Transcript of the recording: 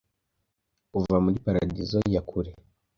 kuva muri paradizo ya kure